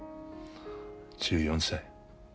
１４歳。